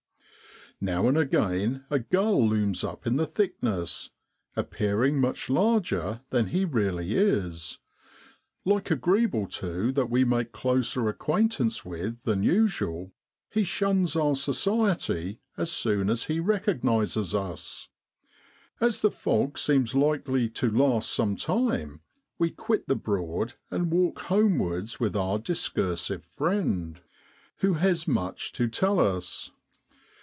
Now and again a gull looms up in the thickness, appearing much larger than he really is ; like a grebe or two that we make closer acquaintance with than usual, he shuns our society as soon as he recognises us. As the fog seems likely to last some time, we quit the Broad and walk homewards with our discursive friend, who has much to tell us.